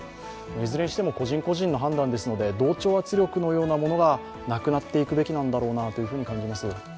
いずれにしても、個人個人の判断ですので、同調圧力のようなものがなくなっていくべきなんだろうと感じます。